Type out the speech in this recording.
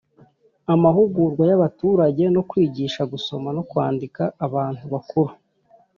amahugurwa y'abaturage no kwigisha gusoma no kwandika abantu bakuru: